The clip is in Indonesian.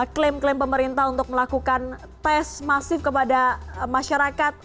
klaim klaim pemerintah untuk melakukan tes masif kepada masyarakat